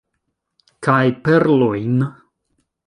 Kaj perlojn.